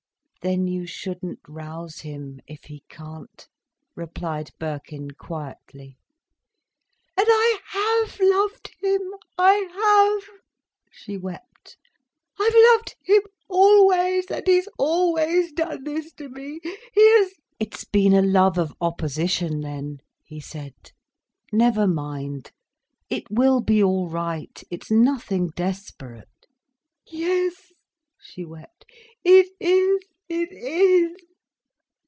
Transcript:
"Then you shouldn't rouse him, if he can't," replied Birkin quietly. "And I have loved him, I have," she wept. "I've loved him always, and he's always done this to me, he has—" "It's been a love of opposition, then," he said. "Never mind—it will be all right. It's nothing desperate." "Yes," she wept, "it is, it is."